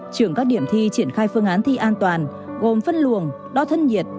trưởng các điểm thi triển khai phương án thi an toàn gồm phân luồng đo thân nhiệt